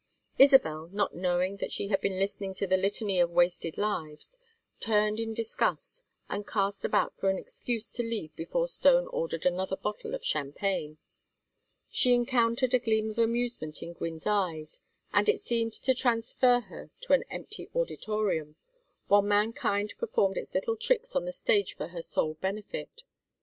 Isabel, not knowing that she had been listening to the litany of wasted lives, turned in disgust and cast about for an excuse to leave before Stone ordered another bottle of champagne. She encountered a gleam of amusement in Gwynne's eyes, and it seemed to transfer her to an empty auditorium, while mankind performed its little tricks on the stage for her sole benefit.